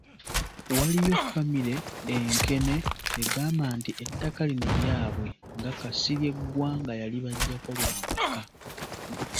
Waliyo famire e Nkene egamba nti ettaka lino lyabwe nga Kasirye Gwanga yalibajjako lwa mpaka.